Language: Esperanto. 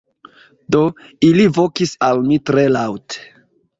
Do, ili vokis al mi tre laŭte: